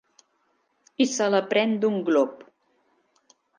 I se la pren d'un glop.